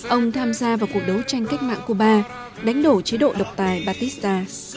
ông tham gia vào cuộc đấu tranh cách mạng cuba đánh đổ chế độ độc tài batista